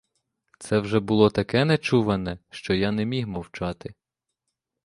Це вже було таке нечуване, що я не міг мовчати.